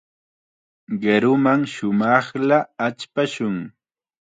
Qiruman shumaqlla achpashun.